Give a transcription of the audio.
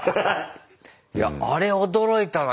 いやあれ驚いたな。